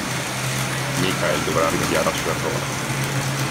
Michael dovrà rimediare al suo errore.